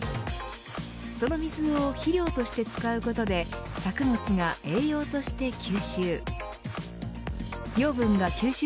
その水を肥料として使うことで作物が栄養として吸収。